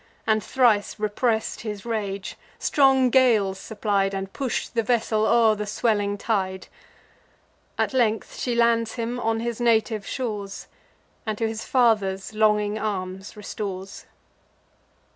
And thrice repress'd his rage; strong gales supplied, And push'd the vessel o'er the swelling tide. At length she lands him on his native shores, And to his father's longing arms restores.